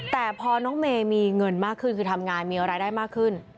แต่พอน้องเมย์มีเงินมากขึ้นคือทำงานมีรายได้มากขึ้น